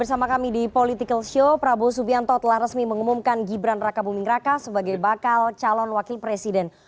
bersama kami di political show prabowo subianto telah resmi mengumumkan gibran raka buming raka sebagai bakal calon wakil presiden